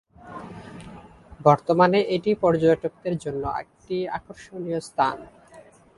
বর্তমানে এটি পর্যটকদের জন্য একটি আকর্ষণীয় স্থান।